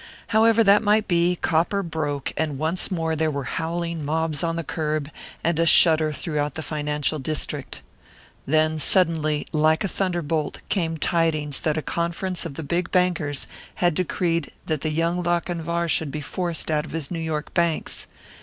However that might be, copper broke, and once more there were howling mobs on the curb, and a shudder throughout the financial district. Then suddenly, like a thunderbolt, came tidings that a conference of the big bankers had decreed that the young Lochinvar should be forced out of his New York banks.